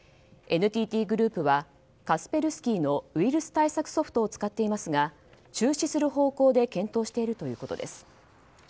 ＮＴＴグループはカスペルスキーのウイルス対策ソフトを使っていますが中止する方向で検討しているということです。